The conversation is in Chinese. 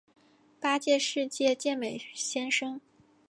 八届世界健美先生。